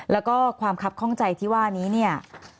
แล้วก็ความคับข้องใจที่ว่านี้เนี่ย